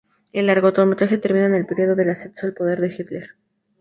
El largometraje termina en el periodo del ascenso al poder de Hitler.